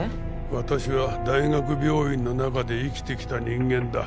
私は大学病院の中で生きてきた人間だ。